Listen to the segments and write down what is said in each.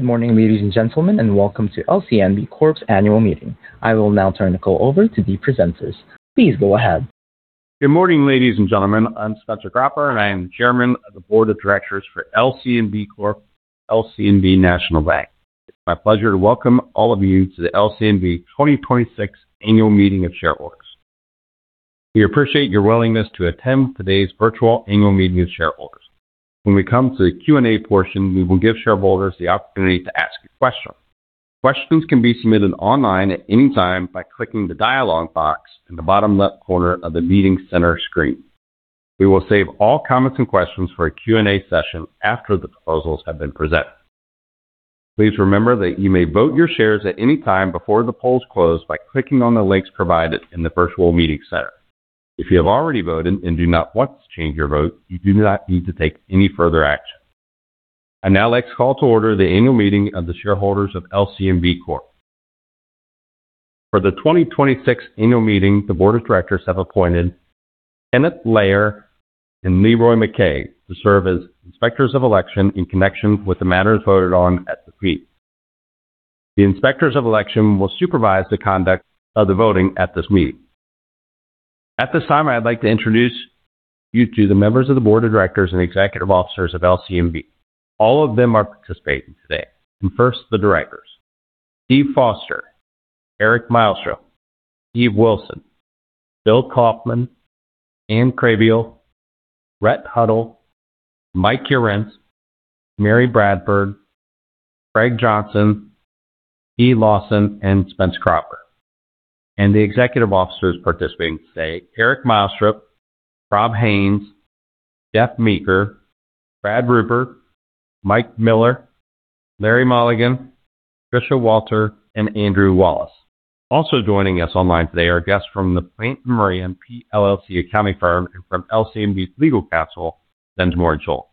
Good morning, ladies and gentlemen, and welcome to LCNB Corp.'s annual meeting. I will now turn the call over to the presenters. Please go ahead. Good morning, ladies and gentlemen. I'm Spencer Cropper, I am the Chairman of the Board of Directors for LCNB Corp., LCNB National Bank. It's my pleasure to welcome all of you to the LCNB 2026 annual meeting of shareholders. We appreciate your willingness to attend today's virtual annual meeting of shareholders. When we come to the Q&A portion, we will give shareholders the opportunity to ask a question. Questions can be submitted online at any time by clicking the dialog box in the bottom left corner of the meeting center screen. We will save all comments and questions for a Q&A session after the proposals have been presented. Please remember that you may vote your shares at any time before the polls close by clicking on the links provided in the virtual meeting center. If you have already voted and do not want to change your vote, you do not need to take any further action. I now like to call to order the annual meeting of the shareholders of LCNB Corp. For the 2026 annual meeting, the board of directors have appointed Kenneth Layer and Leroy McKay to serve as inspectors of election in connection with the matters voted on at this meeting. The inspectors of election will supervise the conduct of the voting at this meeting. At this time, I'd like to introduce you to the members of the board of directors and executive officers of LCNB. All of them are participating today. First, the directors. Steve Foster, Eric Meilstrup, Steve Wilson, Bill Kaufman, Anne Krehbiel, Rhett Huddle, Mike Johrendt, Mary Bradford, Craig Johnson, Takeitha Lawson, and Spencer Cropper. The executive officers participating today, Eric Meilstrup, Rob Haines, Jeff Meeker, Brad Ruppert, Mike Miller, Larry Mulligan, Tricia Walter, and Andrew Wallace. Also joining us online today are guests from the Plante Moran, PLLC accounting firm and from LCNB's legal counsel, Dinsmore & Shohl.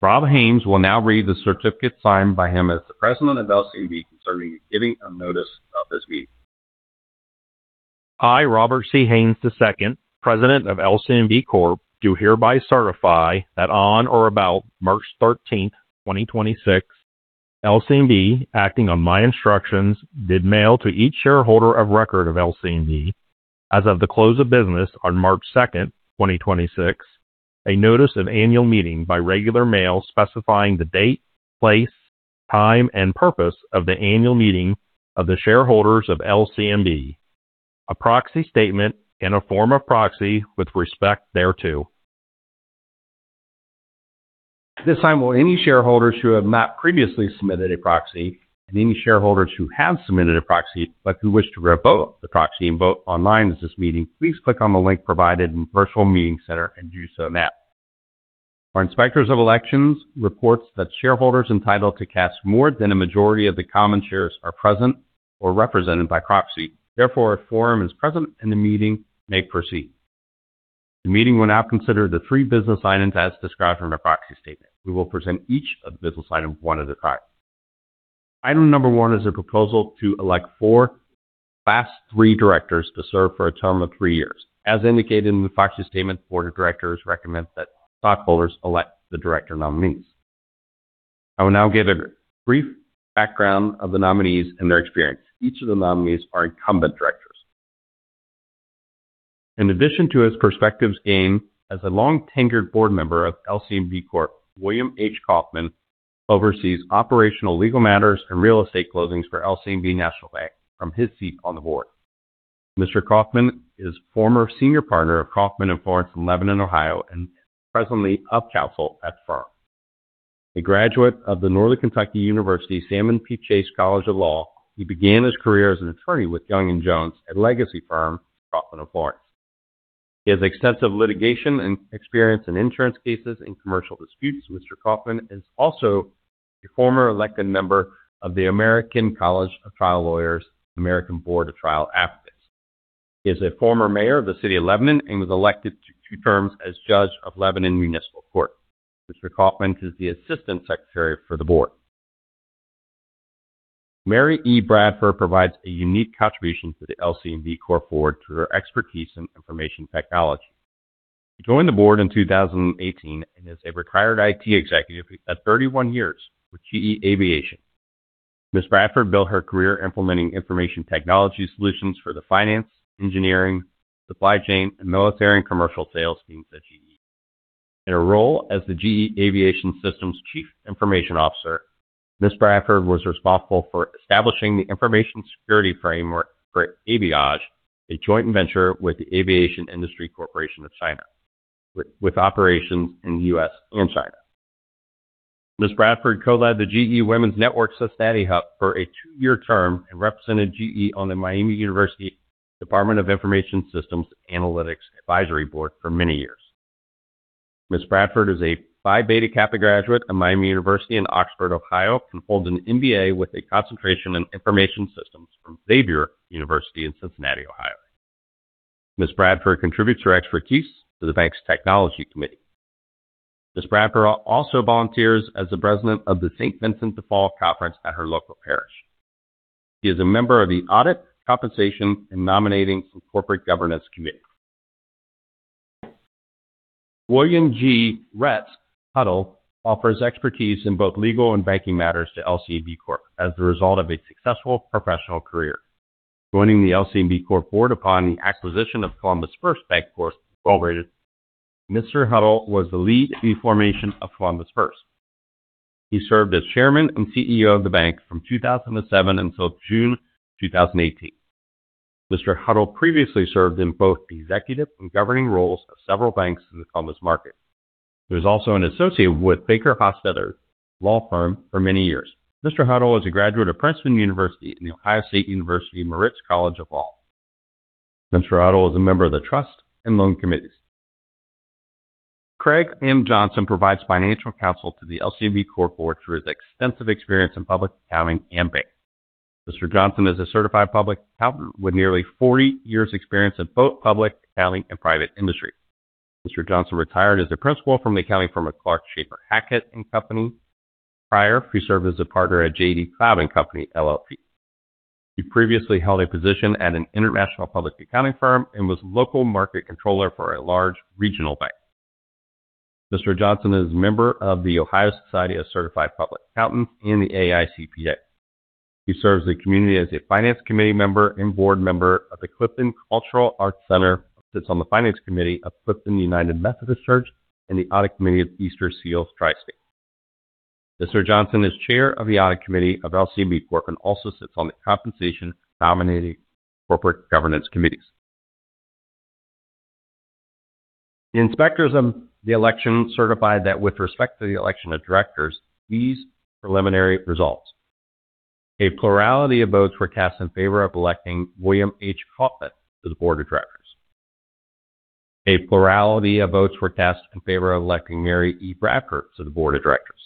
Rob Haines will now read the certificate signed by him as the President of LCNB concerning the giving of notice of this meeting. I, Robert C. Haines II, President of LCNB Corp., do hereby certify that on or about March 13th, 2026, LCNB, acting on my instructions, did mail to each shareholder of record of LCNB as of the close of business on March 2nd, 2026, a notice of annual meeting by regular mail specifying the date, place, time, and purpose of the annual meeting of the shareholders of LCNB, a proxy statement and a form of proxy with respect thereto. At this time, will any shareholders who have not previously submitted a proxy and any shareholders who have submitted a proxy but who wish to revoke the proxy and vote online at this meeting, please click on the link provided in virtual meeting center and do so now. Our Inspectors of Election reports that shareholders entitled to cast more than a majority of the common shares are present or represented by proxy. Therefore, a quorum is present and the meeting may proceed. The meeting will now consider the three business items as described in our proxy statement. We will present each of the business item, one at a time. Item number one is a proposal to elect four Class 3 directors to serve for a term of three years. As indicated in the proxy statement, the board of directors recommends that stockholders elect the director nominees. I will now give a brief background of the nominees and their experience. Each of the nominees are incumbent directors. In addition to his perspectives gained as a long-tenured board member of LCNB Corp., William H. Kaufman oversees operational legal matters and real estate closings for LCNB National Bank from his seat on the board. Mr. Kaufman is former senior partner of Kaufman & Florence in Lebanon, Ohio, and is presently of counsel at the firm. A graduate of the Northern Kentucky University, Salmon P. Chase College of Law, he began his career as an attorney with Young and Jones, a legacy firm, Kaufman & Florence. He has extensive litigation and experience in insurance cases and commercial disputes. Mr. Kaufman is also a former elected member of the American College of Trial Lawyers, American Board of Trial Advocates. He is a former mayor of the city of Lebanon and was elected to two terms as judge of Lebanon Municipal Court. Mr. Kaufman is the assistant secretary for the board. Mary E. Bradford provides a unique contribution to the LCNB Corp. board through her expertise in information technology. She joined the board in 2018 and is a retired IT executive at 31 years with GE Aviation. Ms. Bradford built her career implementing information technology solutions for the finance, engineering, supply chain, and military and commercial sales teams at GE. In her role as the GE Aviation Systems Chief Information Officer, Ms. Bradford was responsible for establishing the information security framework for Aviage, a joint venture with the Aviation Industry Corporation of China, with operations in the U.S. and China. Ms. Bradford co-led the GE Women's Network Cincinnati Hub for a two-year term and represented GE on the Miami University Department of Information Systems Analytics Advisory Board for many years. Ms. Bradford is a Phi Beta Kappa graduate of Miami University in Oxford, Ohio, and holds an MBA with a concentration in information systems from Xavier University in Cincinnati, Ohio. Ms. Bradford contributes her expertise to the bank's technology committee. Ms. Bradford also volunteers as the president of the St. Vincent de Paul Conference at her local parish. She is a member of the audit, compensation, and nominating for corporate governance committee. William G. (Rhett) Huddle offers expertise in both legal and banking matters to LCNB Corp. as the result of a successful professional career. Joining the LCNB Corp. board upon the acquisition of Columbus First Bancorp. Mr. Huddle was the lead in the formation of Columbus First. He served as chairman and CEO of the bank from 2007 until June 2018. Mr. Huddle previously served in both executive and governing roles of several banks in the Columbus market. He was also an associate with BakerHostetler law firm for many years. Mr. Huddle is a graduate of Princeton University and The Ohio State University Moritz College of Law. Mr. Huddle is a member of the trust and loan committees. Craig M. Johnson provides financial counsel to the LCNB Corp. board through his extensive experience in public accounting and banking. Mr. Johnson is a certified public accountant with nearly 40 years’ experience in both public accounting and private industry. Mr. Johnson retired as a principal from the accounting firm of Clark Schaefer Hackett & Company. Prior, he served as a partner at J.D. Cloud & Co. LLP. He previously held a position at an international public accounting firm and was local market controller for a large regional bank. Mr. Johnson is a member of The Ohio Society of Certified Public Accountant and the AICPA. He serves the community as a finance committee member and board member of the Clifton Cultural Arts Center, sits on the finance committee of Clifton United Methodist Church and the audit committee of Easter Seals TriState. Mr. Johnson is chair of the audit committee of LCNB Corp. and also sits on the compensation, nominating, corporate governance committees. The inspectors of the election certified that with respect to the election of directors, these preliminary results. A plurality of votes were cast in favor of electing William H. Kaufman to the board of directors. A plurality of votes were cast in favor of electing Mary E. Bradford to the board of directors.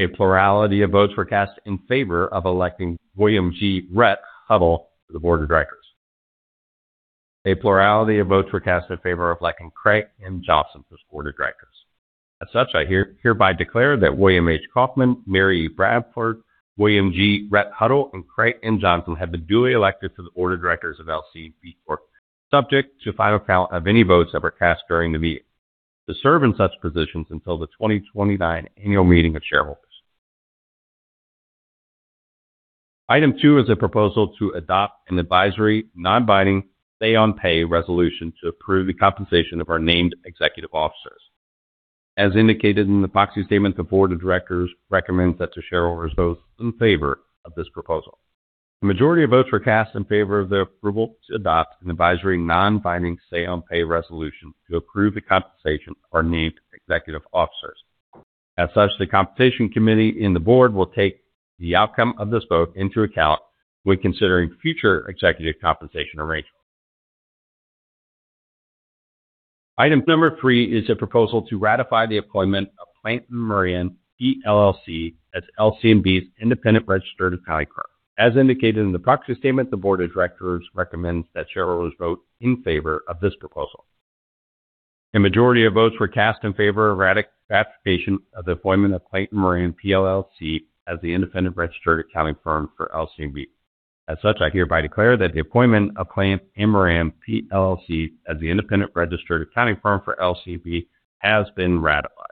A plurality of votes were cast in favor of electing William G. (Rhett) Huddle to the board of directors. A plurality of votes were cast in favor of electing Craig M. Johnson to this board of directors. As such, I hereby declare that William H. Kaufman, Mary E. Bradford, William G. (Rhett) Huddle, and Craig M. Johnson have been duly elected to the board of directors of LCNB Corp., subject to final count of any votes that were cast during the meeting, to serve in such positions until the 2029 annual meeting of shareholders. Item two is a proposal to adopt an advisory, non-binding say-on-pay resolution to approve the compensation of our named executive officers. As indicated in the proxy statement, the board of directors recommends that the shareholders vote in favor of this proposal. The majority of votes were cast in favor of the approval to adopt an advisory, non-binding say-on-pay resolution to approve the compensation of our named executive officers. As such, the compensation committee and the board will take the outcome of this vote into account when considering future executive compensation arrangements. Item number three is a proposal to ratify the appointment of Plante Moran, PLLC as LCNB's independent registered accounting firm. As indicated in the proxy statement, the board of directors recommends that shareholders vote in favor of this proposal. A majority of votes were cast in favor of ratification of the appointment of Plante Moran, PLLC as the independent registered accounting firm for LCNB. As such, I hereby declare that the appointment of Plante Moran, PLLC as the independent registered accounting firm for LCNB has been ratified.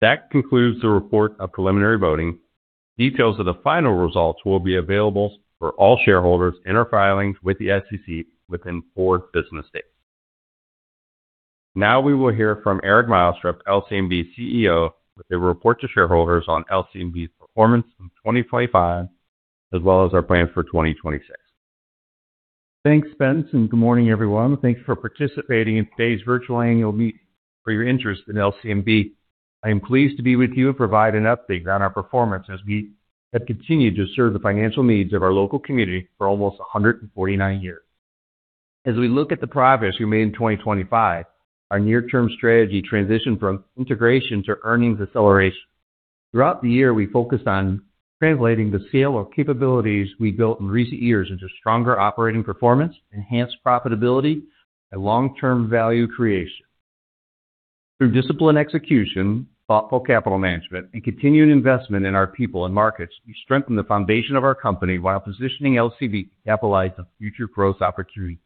That concludes the report of preliminary voting. Details of the final results will be available for all shareholders in our filings with the SEC within four business days. We will hear from Eric Meilstrup, LCNB CEO, with a report to shareholders on LCNB's performance in 2025, as well as our plans for 2026. Thanks, Spence, and good morning, everyone. Thank you for participating in today's virtual annual for your interest in LCNB. I am pleased to be with you and provide an update on our performance as we have continued to serve the financial needs of our local community for almost 149 years. As we look at the progress we made in 2025, our near-term strategy transitioned from integration to earnings acceleration. Throughout the year, we focused on translating the scale of capabilities we built in recent years into stronger operating performance, enhanced profitability, and long-term value creation. Through disciplined execution, thoughtful capital management, and continued investment in our people and markets, we strengthened the foundation of our company while positioning LCNB to capitalize on future growth opportunities.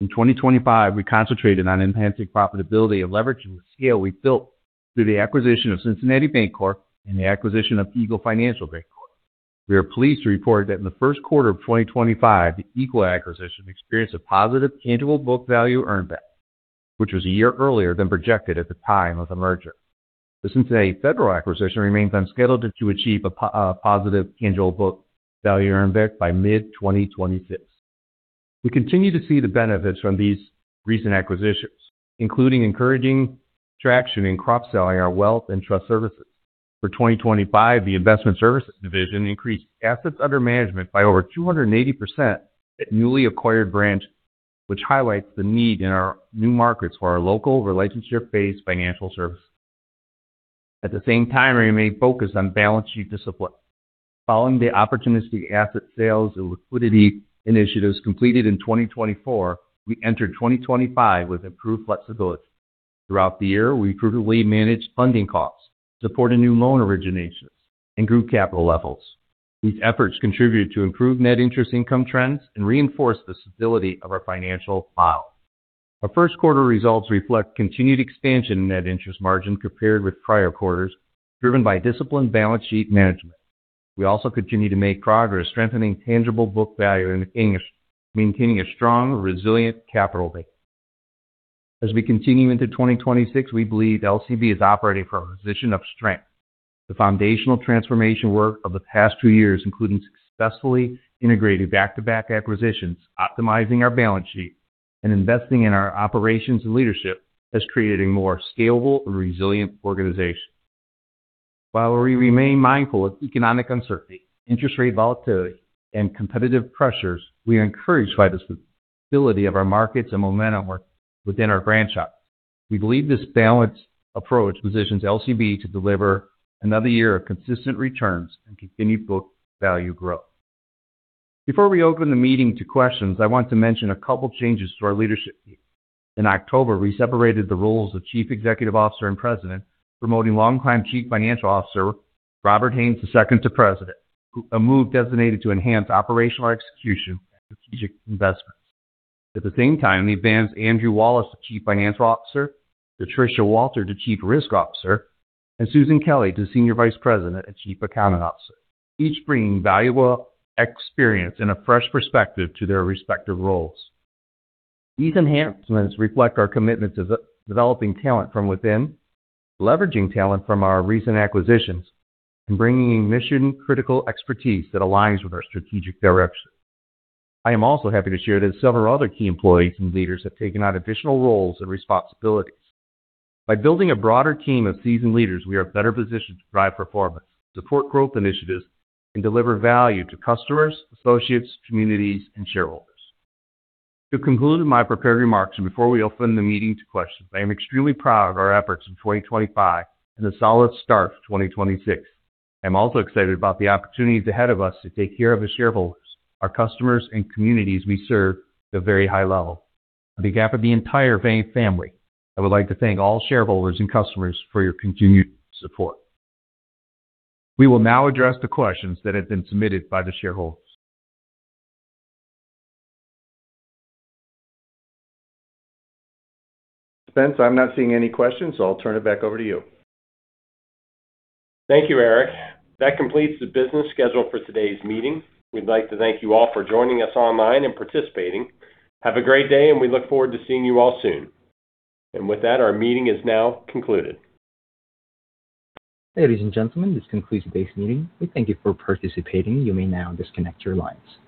In 2025, we concentrated on enhancing profitability and leveraging the scale we built through the acquisition of Cincinnati Bancorp and the acquisition of Eagle Financial Bancorp. We are pleased to report that in the first quarter of 2025, the Eagle acquisition experienced a positive tangible book value earn back, which was a year earlier than projected at the time of the merger. The Cincinnati Federal acquisition remains on schedule to achieve a positive tangible book value earn back by mid-2026. We continue to see the benefits from these recent acquisitions, including encouraging traction in cross-selling our wealth and trust services. For 2025, the investment services division increased assets under management by over 280% at newly acquired branches, which highlights the need in our new markets for our local relationship-based financial services. At the same time, we remain focused on balance sheet discipline. Following the opportunistic asset sales and liquidity initiatives completed in 2024, we entered 2025 with improved flexibility. Throughout the year, we prudently managed funding costs, supported new loan originations, and grew capital levels. These efforts contributed to improved net interest income trends and reinforced the stability of our financial files. Our first quarter results reflect continued expansion in net interest margin compared with prior quarters, driven by disciplined balance sheet management. We also continue to make progress strengthening tangible book value and maintaining a strong, resilient capital base. As we continue into 2026, we believe LCNB is operating from a position of strength. The foundational transformation work of the past two years, including successfully integrating back-to-back acquisitions, optimizing our balance sheet, and investing in our operations and leadership, has created a more scalable and resilient organization. While we remain mindful of economic uncertainty, interest rate volatility, and competitive pressures, we are encouraged by the stability of our markets and momentum within our branch shop. We believe this balanced approach positions LCNB to deliver another year of consistent returns and continued book value growth. Before we open the meeting to questions, I want to mention a couple of changes to our leadership team. In October, we separated the roles of Chief Executive Officer and President, promoting long-time Chief Financial Officer Robert Haines II to President, a move designated to enhance operational execution and strategic investments. At the same time, we advanced Andrew Wallace to Chief Financial Officer, Patricia Walter to Chief Risk Officer, and Susan Kelley to Senior Vice President and Chief Accounting Officer, each bringing valuable experience and a fresh perspective to their respective roles. These enhancements reflect our commitment to developing talent from within, leveraging talent from our recent acquisitions, and bringing in mission-critical expertise that aligns with our strategic direction. I am also happy to share that several other key employees and leaders have taken on additional roles and responsibilities. By building a broader team of seasoned leaders, we are better positioned to drive performance, support growth initiatives, and deliver value to customers, associates, communities, and shareholders. To conclude my prepared remarks and before we open the meeting to questions, I am extremely proud of our efforts in 2025 and a solid start for 2026. I'm also excited about the opportunities ahead of us to take care of our shareholders, our customers, and communities we serve to a very high level. On behalf of the entire bank family, I would like to thank all shareholders and customers for your continued support. We will now address the questions that have been submitted by the shareholders. Spence, I'm not seeing any questions, so I'll turn it back over to you. Thank you, Eric. That completes the business schedule for today's meeting. We'd like to thank you all for joining us online and participating. Have a great day, and we look forward to seeing you all soon. With that, our meeting is now concluded. Ladies and gentlemen, this concludes today's meeting. We thank you for participating. You may now disconnect your lines.